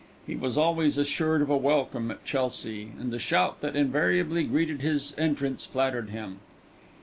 He was always assured of a welcome at Chelsea, and the shout that invariably greeted his entrance flattered him.